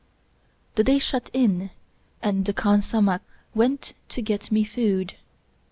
The day shut in and the khansamah went to get me food.